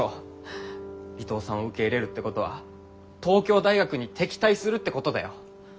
伊藤さんを受け入れるってことは東京大学に敵対するってことだよ？